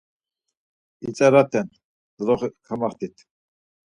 İtzaraten, doloxe kamaxtit.